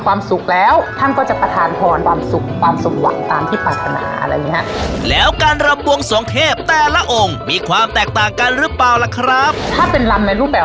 ความแตกต่างกันหรือเปล่าล่ะครับถ้าเป็นรำในรูปแบบ